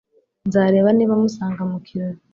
Nzareba niba musanga mu kirori.